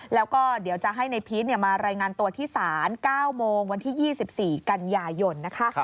แล้วก็เดี๋ยวจะให้ในพีชมารายงานตัวที่ศาล๙โมงวันที่๒๔กันยายนนะคะ